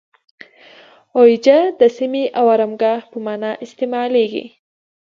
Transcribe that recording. اویجه د سیمې او آرامګاه په معنی استعمالیږي.